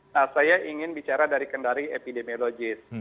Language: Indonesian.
nah saya ingin bicara dari kendari epidemiologis